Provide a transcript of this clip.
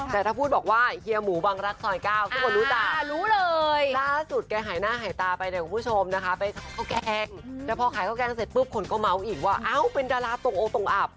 แต่ถ้าพูดบอกว่าเฮียหมูวังลักษณ์สวัสดิ์กล้าวทุกคนรู้ต่อ